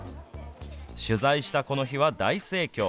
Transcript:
取材したこの日は大盛況。